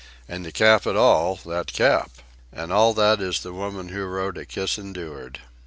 And to cap it all, that cap! And all that is the woman who wrote 'A Kiss Endured.